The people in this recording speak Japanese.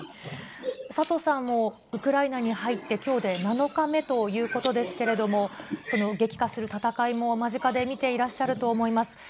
佐藤さん、ウクライナに入って、きょうで７日目ということですけれども、激化する戦いも間近で見ていらっしゃると思います。